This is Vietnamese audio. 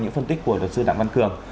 những phân tích của luật sư đảng văn cường